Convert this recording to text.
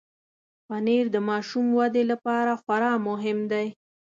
پنېر د ماشوم ودې لپاره خورا مهم دی.